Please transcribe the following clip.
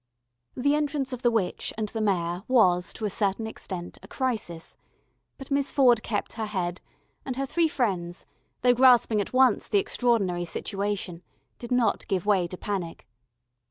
The entrance of the witch and the Mayor was to a certain extent a crisis, but Miss Ford kept her head, and her three friends, though grasping at once the extraordinary situation, did not give way to panic.